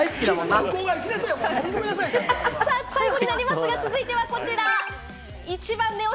最後になりますが続いては、こちら。